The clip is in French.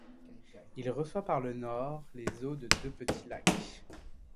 Il reçoit par le nord les eaux de deux petits lacs.